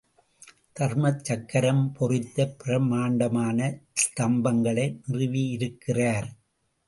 தர்மச் சக்கரம் பொறித்த பிரம்மாண்டமான ஸ்தம்பங்களை நிறுவியிருக்கிறார்.